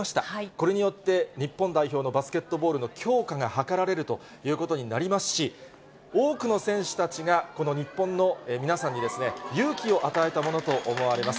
これによって、日本代表のバスケットボールの強化が図られるということになりますし、多くの選手たちが、この日本の皆さんに勇気を与えたものと思われます。